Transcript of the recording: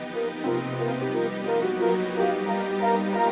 aduh emang enak belum kenal udah ditolak